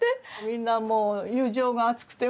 みんなもう友情があつくて。